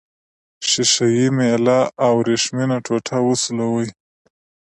ښيښه یي میله او وریښمینه ټوټه وسولوئ.